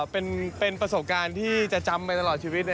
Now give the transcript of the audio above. เป็นประสบการณ์ที่จะจำไปตลอดชีวิต